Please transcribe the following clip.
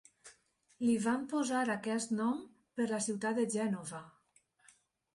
Li van posar aquest nom per la ciutat de Gènova.